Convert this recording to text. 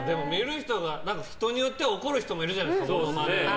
人によっては怒る人もいるじゃないですか。